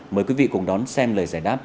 mời quý vị cùng đón xem lời giải đáp